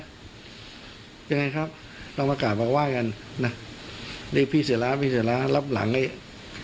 เป็นยังไงครับเรามาก่อนมาว่ากันนะนี่พี่เสร้าพี่เสร้ารับหลังไอ้